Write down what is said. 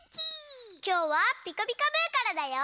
きょうは「ピカピカブ！」からだよ。